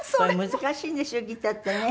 難しいんですよギターってね。